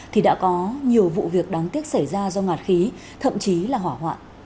thì đã có nhiều vụ việc đáng tiếc xảy ra do ngạt khí thậm chí là hỏa hoạn